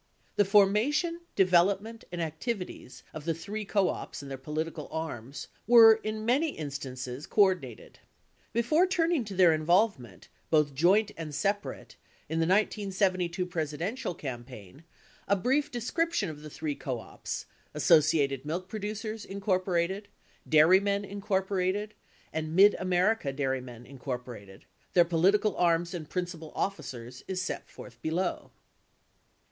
3 The formation, development, and activities of the three co ops and their political arms Avere, in many instances, coordinated. Before turn ing to their involvement, both joint and separate, in the 1972 Presi dential campaign, a brief description of the three co ops, Associated Milk Producers, Inc., Dairymen, Inc., and Mid America Dairymen, Inc., their political arms and principal officers is set forth below.